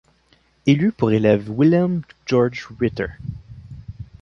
Il eut pour élève Wilhelm Georg Ritter.